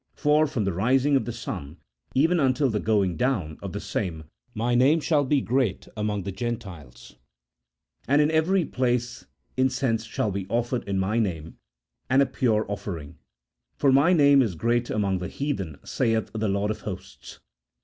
For from the rising of the sun, even until the going down of the same My Name shall be great among the Gentiles ; and in every place incense shall be offered in My Name, and a pure off ering ; for My Name is great among the heathen, saith the Lord of Hosts."